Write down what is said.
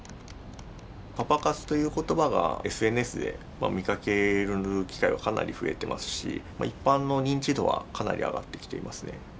パパ活という言葉がＳＮＳで見かける機会はかなり増えてますし一般の認知度はかなり上がってきていますね。